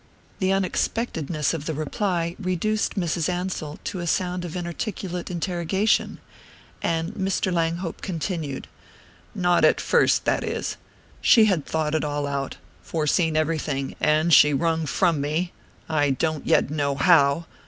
The unexpectedness of the reply reduced Mrs. Ansell to a sound of inarticulate interrogation; and Mr. Langhope continued: "Not at first, that is. She had thought it all out foreseen everything; and she wrung from me I don't yet know how!